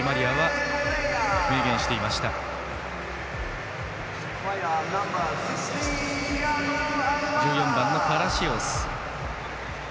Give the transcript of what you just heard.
そして１４番のパラシオス。